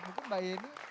mungkin mbak yeni